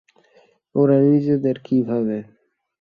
ওরা নিজেদের কী ভাবে?